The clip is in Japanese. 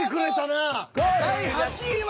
第８位は。